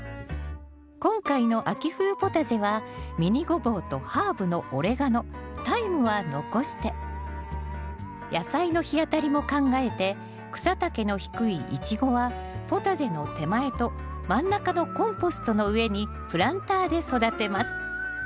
今回の秋冬ポタジェはミニゴボウとハーブのオレガノタイムは残して野菜の日当たりも考えて草丈の低いイチゴはポタジェの手前と真ん中のコンポストの上にプランターで育てます。